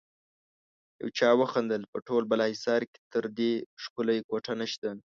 يو چا وخندل: په ټول بالاحصار کې تر دې ښکلی کوټه نشته.